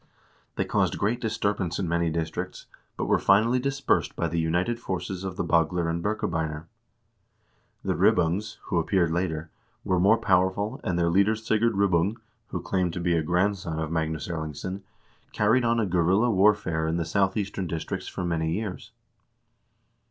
They caused great disturbance in many districts, but were finally dispersed by the united forces of the Bagler and Birkebeiner. The Ribbungs, who appeared later, were more powerful, and their leader, Sigurd Ribbung, who claimed to be a grandson of Magnus Erlingsson, carried on a guerrilla war fare in the southeastern districts for many years.